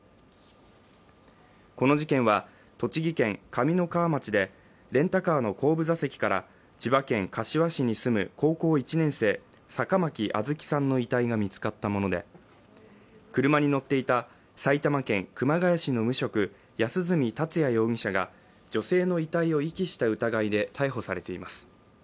この事件は、栃木県上三川町でレンタカーの後部座席から千葉県柏市に住む高校１年生、坂巻杏月さんの遺体が見つかったもので、車に乗っていた埼玉県熊谷市の無職、安栖達也容疑者が女性の遺体を遺棄した疑いで逮捕されています。